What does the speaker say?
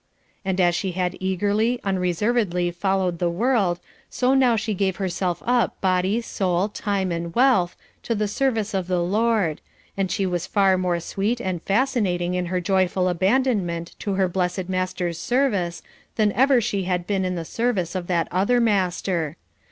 And as she had eagerly, unreservedly followed the world, so now she gave herself up body, soul, time and wealth, to the service of the Lord, and she was far more sweet and fascinating in her joyful abandonment to her blessed Master's service than ever she had been in the service of that other master.